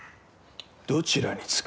どちらにつく？